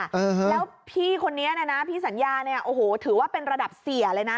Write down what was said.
เออแล้วพี่คนนี้เนี่ยนะพี่สัญญาเนี่ยโอ้โหถือว่าเป็นระดับเสียเลยนะ